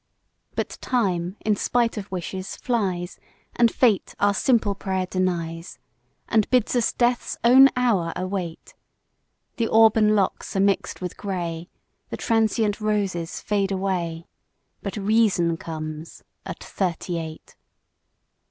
But time, in spite of wishes, flies And Fate our simple prayer denies, And bids us death's own hour await: The auburn locks are mix'd with grey, The transient roses fade away, But reason comes at Thirty eight.